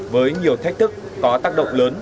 với nhiều thách thức có tác động lớn